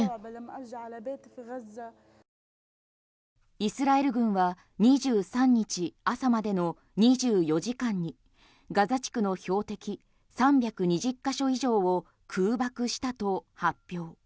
イスラエル軍は２３日朝までの２４時間にガザ地区の標的３２０ヶ所以上を空爆したと発表。